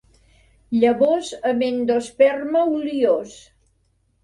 Llavors amb endosperma oliós.